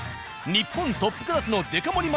日本トップクラスのデカ盛り